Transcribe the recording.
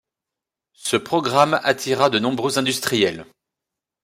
Ce programme attira de nombreux industriels.